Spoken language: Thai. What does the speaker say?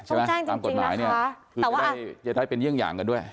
ใช่ไหมตามกฎหมายเนี่ยคือจะได้เป็นเยี่ยงอย่างกันด้วย